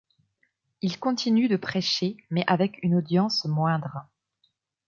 Ils continuent de prêcher, mais avec une audience moindre.